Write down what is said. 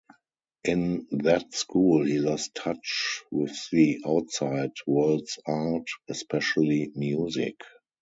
In that school he lost touch with the outside world's art, especially music.